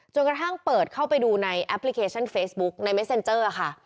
กระทั่งเปิดเข้าไปดูในแอปพลิเคชันเฟซบุ๊กในเมสเซ็นเจอร์ค่ะ